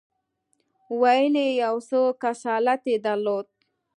ویل یې یو څه کسالت یې درلود.